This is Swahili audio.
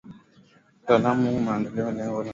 Mtaala huu umeandaliwa kwa lengo la kuwafahamisha wakulima